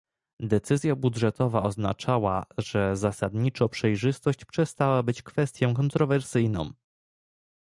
Decyzja budżetowa oznaczała, że zasadniczo przejrzystość przestała być kwestią kontrowersyjną